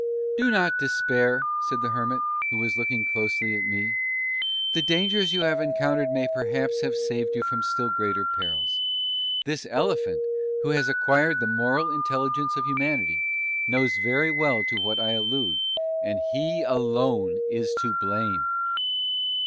"Do not despair," said the Hermit, who was looking closely at me; "the dangers you have encountered may perhaps have saved you from still greater perils. This Elephant, who has acquired the moral intelligence of humanity, knows very well to what I allude, and _he alone is to blame".